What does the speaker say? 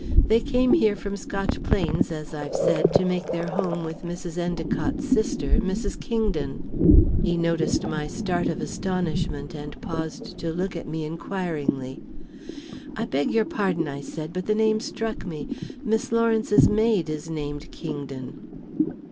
They came here from Scotch Plains, as I've said, to make their home with Mrs. Endicott's sister, Mrs. Kingdon." He noticed my start of astonishment, and paused to look at me inquiringly. "I beg your pardon," I said, "but the name struck me. Miss Lawrence's maid is named Kingdon."